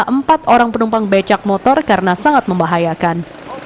ada empat orang penumpang becak motor karena sangat membahayakan